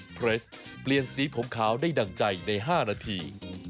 เพรสเปลี่ยนสีผมขาวได้ดั่งใจใน๕นาที